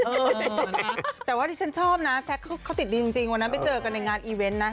แต่ว่าที่ฉันชอบนะแซ็กเขาติดดีจริงวันนั้นไปเจอกันในงานอีเวนต์นะ